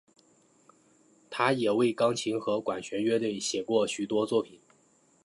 他也为钢琴和管弦乐队写过许多作品。